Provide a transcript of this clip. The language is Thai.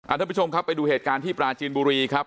ท่านผู้ชมครับไปดูเหตุการณ์ที่ปราจีนบุรีครับ